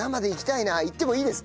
いってもいいですか？